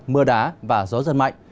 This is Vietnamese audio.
mưa đá và gió dần mạnh